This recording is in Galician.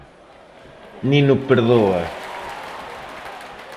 Nin o perdoa.